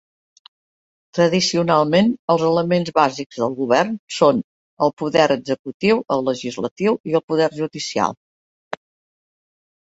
Tradicionalment, els elements bàsics del govern són el poder executiu, el legislatiu i el poder judicial.